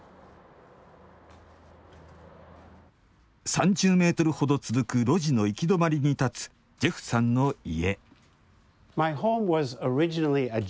３０メートルほど続く路地の行き止まりに建つジェフさんの家。